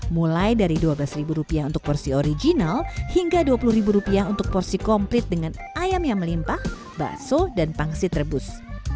mulai dari dua belas rupiah untuk porsi original hingga rp dua puluh untuk porsi komplit dengan ayam yang melimpah bakso dan pangsit rebus